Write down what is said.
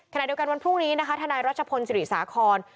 ขณะเดียวกันวันพรุ่งนี้นะคะทนายรัชพลจิริษฐาคอน